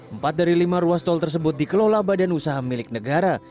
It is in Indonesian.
empat dari lima ruas tol tersebut dikelola badan usaha milik negara